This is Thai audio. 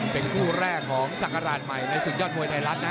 เป็นคู่แรกของศักราชใหม่ในศึกยอดมวยไทยรัฐนะ